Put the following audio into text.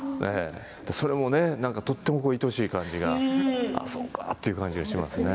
それもねとってもいとおしい感じがああ、そうかという感じがしますね。